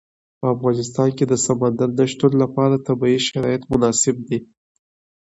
په افغانستان کې د سمندر نه شتون لپاره طبیعي شرایط مناسب دي.